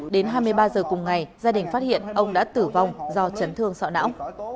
đến hai mươi ba giờ cùng ngày gia đình phát hiện ông đã tử vong do chấn thương sọ não